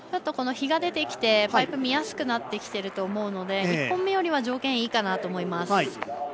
日が出てきてパイプ、見やすくなっていると思うので１本目より条件いいかなと思います。